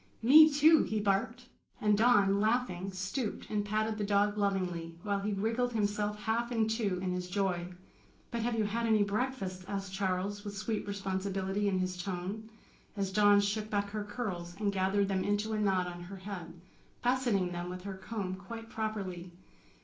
"Me, too!" he barked, and Dawn, laughing, stooped and patted the dog lovingly, while he wriggled himself half in two in his joy. "But have you had any breakfast?" asked Charles, with sweet responsibility in his tone, as Dawn shook back her curls and gathered them into a knot on her head, fastening them with her comb quite properly.